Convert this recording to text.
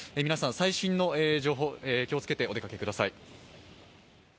皆さん最新の情報に気をつけてお出かけください。